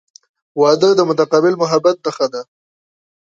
• واده د متقابل محبت نښه ده.